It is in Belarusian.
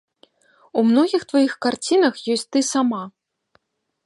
У многіх тваіх карцінах ёсць ты сама.